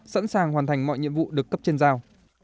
sẵn sàng hoàn thành mọi nhiệm vụ được cấp trên giao